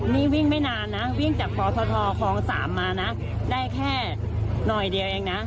นี่วิ่งไม่นานนะวิ่งจากปทคลอง๓มานะได้แค่หน่อยเดียวเองนะ